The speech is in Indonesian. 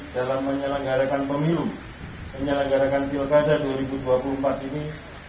dalam menyelenggarakan pemilu menyelenggarakan pilkada dua ribu dua puluh empat ini